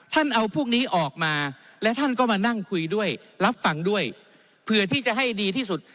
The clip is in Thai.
เอาพวกนี้ออกมาและท่านก็มานั่งคุยด้วยรับฟังด้วยเพื่อที่จะให้ดีที่สุด